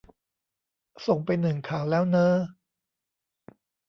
ส่งไปหนึ่งข่าวแล้วเน้อ